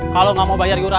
kalau nggak mau bayar guru